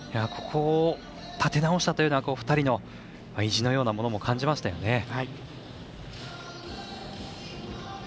ここを立て直したというのは２人の意地のようなものも感じましたよね。